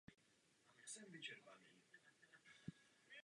Týž rok skončil devátý na juniorském mistrovství světa.